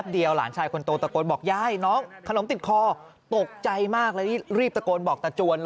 เดี๋ยวหลานติดคอ